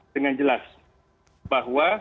mungkin observasi juga tentang sehingga